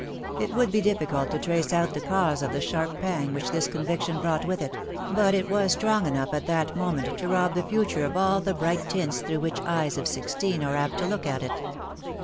It would be difficult to trace out the cause of the sharp pang which this conviction brought with it ; but it was strong enough at that moment to rob the future of all the bright tints through which eyes of sixteen are apt to look at it.